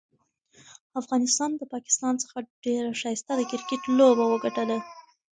افغانستان ده پاکستان څخه ډيره ښايسته د کرکټ لوبه وګټله.